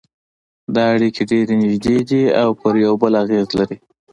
دا اړیکې ډېرې نږدې دي او پر یو بل اغېز لري